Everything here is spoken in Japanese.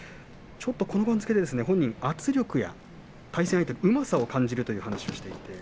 この番付で本人、圧力が対戦相手のうまさを感じるという話をしています。